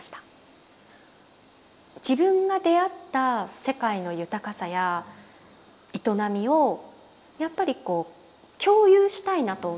自分が出会った世界の豊かさや営みをやっぱり共有したいなと思ったんですね。